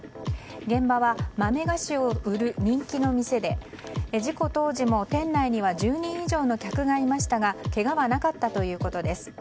現場は豆菓子を売る人気の店で事故当時も店内には１０人以上の客がいましたがけがはなかったということです。